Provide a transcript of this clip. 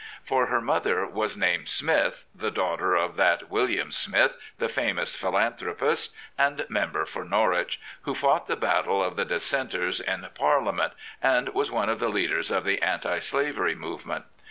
For her mother was named Smith, the daughter of that William Smith, the famous philagthropist, and member for Norwich, who fought the battle of the Dissenters in Parliament, and was one of the leaders of the anti slavery movement.